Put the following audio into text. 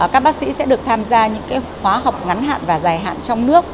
các bác sĩ sẽ được tham gia những khóa học ngắn hạn và dài hạn trong nước